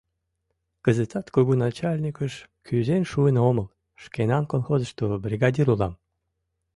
Кызытат кугу начальникыш кӱзен шуын омыл, шкенан колхозышто бригадир улам.